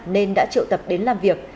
nên đã triệu tập đến làm việc